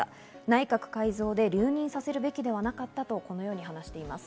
内閣改造で留任させるべきではなかったと話しています。